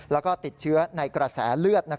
แล้วก็ติดเชื้อในกระแสเลือด